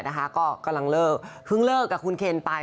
แล้วก็กำลังเเลิกพึ่งแล้วกับคุณเคนไป